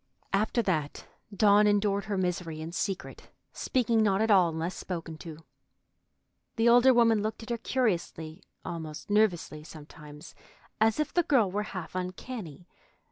After that, Dawn endured her misery in secret, speaking not at all, unless spoken to. The older woman looked at her curiously, almost nervously, sometimes, as if the girl were half uncanny.